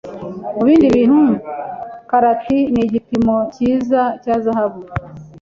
Mubindi bintu, karat ni igipimo cyiza cya zahabu.